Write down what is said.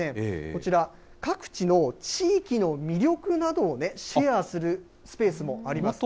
こちら、各地の地域の魅力などをシェアするスペースもあります。